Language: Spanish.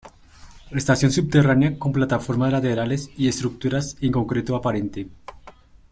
Estación subterránea con plataformas laterales y estructuras en concreto aparente.